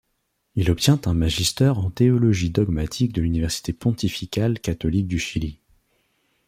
Il obtient un magister en théologie dogmatique de l'université pontificale catholique du Chili.